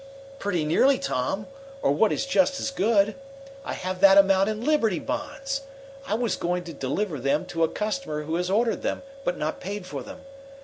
"Pretty nearly, Tom, or what is just as good. I have that amount in Liberty Bonds. I was going to deliver them to a customer who has ordered them but not paid for them.